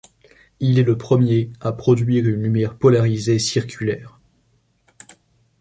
Il est le premier à produire une lumière polarisée circulaire.